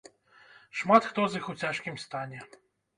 Шмат хто з іх у цяжкім стане.